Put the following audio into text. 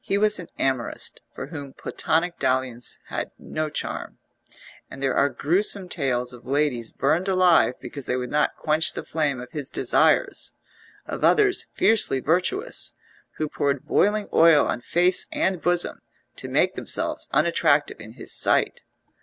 He was an amorist for whom platonic dalliance had no charm, and there are gruesome tales of ladies burned alive because they would not quench the flame of his desires, of others, fiercely virtuous, who poured boiling oil on face and bosom to make themselves unattractive in his sight.